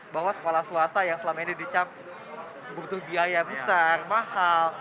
bahwa sekolah swasta yang selama ini dicap butuh biaya besar mahal